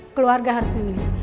keluarga harus memilih